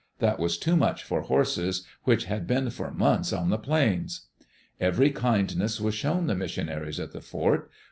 That was too much for horses which had been for months on the plains. Every kindness was shown the missionaries at the fort.